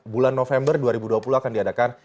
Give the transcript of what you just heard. bulan november dua ribu dua puluh akan diadakan